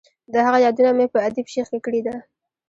د هغه یادونه مې په ادیب شیخ کې کړې ده.